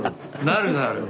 なるなる。